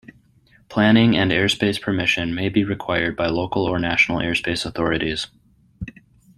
Planning and airspace permission may be required by local or national airspace authorities.